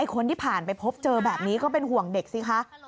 คนที่ผ่านไปพบเจอแบบนี้ก็เป็นห่วงเด็กสิคะ